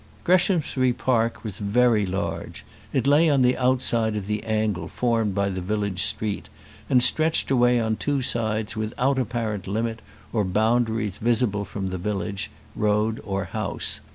Greshamsbury Park was very large; it lay on the outside of the angle formed by the village street, and stretched away on two sides without apparent limit or boundaries visible from the village road or house.